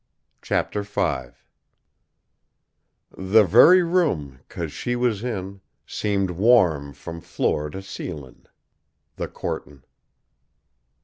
CHAPTER V "The very room, coz she was in, Seemed warm from floor to ceilin'." THE COURTIN'.